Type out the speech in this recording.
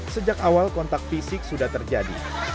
sejak awal kontak fisik sudah terjadi